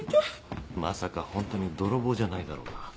まさかホントに泥棒じゃないだろうな？